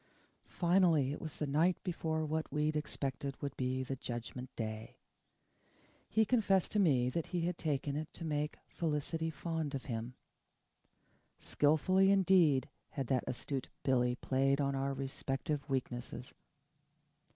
Finally it was the night before what we expected would be the Judgment Day he confessed to me that he had taken it to make Felicity fond of him. Skilfully indeed had that astute Billy played on our respective weaknesses.